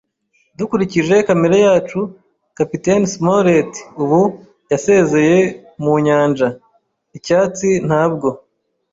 dukurikije kamere yacu. Kapiteni Smollett ubu yasezeye mu nyanja. Icyatsi ntabwo